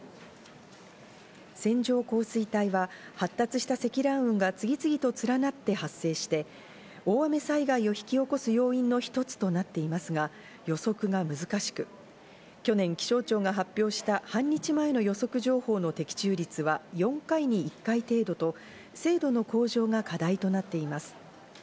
線状降水帯は発達した積乱雲が次々と連なって発生して、大雨災害を引き起こす要因の一つとなっていますが、予測が難しく、去年、気象庁が発表した半日前の予測情報の的中率は４回に１回程度と、精度の向上が課題となっています。